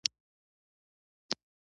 که ګاونډی سخت وي، ته صبر وکړه